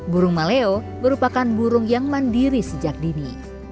burung maleo merupakan burung yang mandiri sejak dini